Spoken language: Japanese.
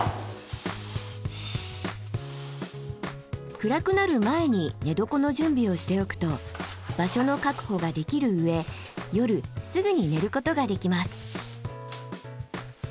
暗くなる前に寝床の準備をしておくと場所の確保ができる上夜すぐに寝ることができます。